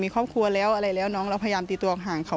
พี่สาวบอกแบบนั้นหลังจากนั้นเลยเตือนน้องตลอดว่าอย่าเข้าในพงษ์นะ